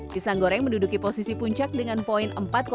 pisang goreng menduduki posisi puncak dengan poin empat lima